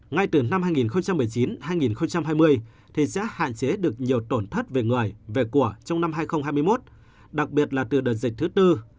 ngay từ năm hai nghìn một mươi chín hai nghìn hai mươi thì sẽ hạn chế được nhiều tổn thất về người về của trong năm hai nghìn hai mươi một đặc biệt là từ đợt dịch thứ tư